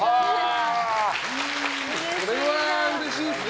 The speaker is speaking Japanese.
それはうれしいっすね。